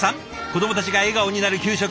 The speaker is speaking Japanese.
子どもたちが笑顔になる給食